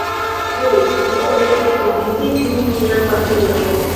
Nu, unue ni vizitu mian patrinon.